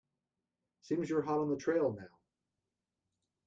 Seems you're hot on the trail now.